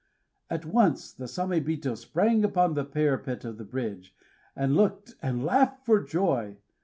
At once the Samébito sprang upon the parapet of the bridge, and looked, and laughed for joy.